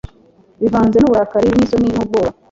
Bivanze nuburakari nisoni nubwoba